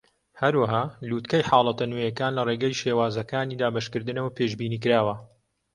هەروەها، لووتکەی حاڵەتە نوێیەکان لە ڕێگەی شێوازەکانی دابەشکردنەوە پێشبینیکراوە.